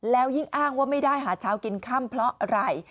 แล้วยิ่งอ้างว่าไม่ได้หาเช้ากินค่ำเพราะอะไร